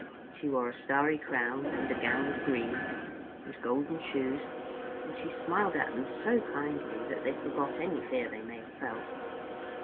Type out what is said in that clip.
She wore a starry crown and a gown of green, and golden shoes, and she smiled at them so kindly that they forgot any fear they may have felt.